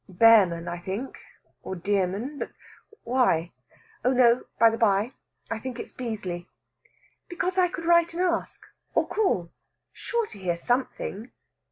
"Bearman, I think, or Dearman. But why? Oh, no, by the bye, I think it's Beazley." "Because I could write and ask, or call. Sure to hear something."